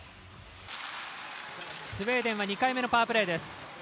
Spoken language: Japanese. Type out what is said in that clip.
スウェーデンは２回目のパワープレーです。